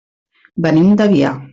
Venim d'Avià.